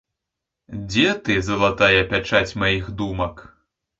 Дзе ты, залатая пячаць маіх думак?